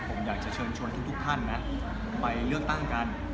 ผมอยากจะเชิญชวนทุกท่านไปเลือกตั้งกัน